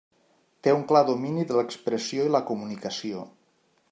Té un clar domini de l'expressió i la comunicació.